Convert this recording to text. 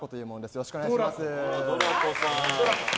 よろしくお願いします。